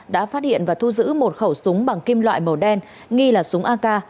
đã phát hiện và thu giữ một khẩu súng bằng kim loại màu đen nghi là súng ak